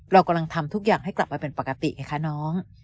เรากำลังทำทุกอย่างให้กลับไปเป็นปกติไงคะน้อง